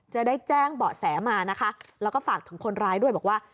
จะได้แจ้งเบาะแสมานะคะแล้วก็ฝากถึงคนร้ายด้วยบอกว่า